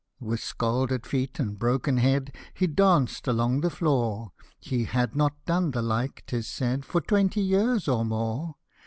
104 With scalded feet and broken head, He danced along the floor ; He had not done the like 'tis said For twenty years or more.